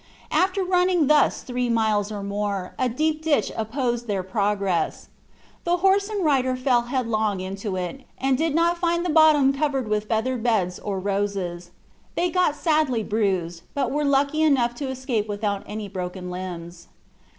After running thus three miles or more, a deep ditch opposed their progress. The horse and rider fell headlong into it, and did not find the bottom covered with feather beds or roses. They got sadly bruised; but were lucky enough to escape without any broken limbs.